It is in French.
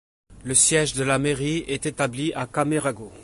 Le siège de la mairie est établi à Camairago.